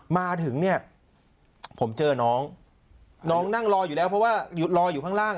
มาถึงเนี่ยผมเจอน้องน้องนั่งรออยู่แล้วเพราะว่ารออยู่ข้างล่าง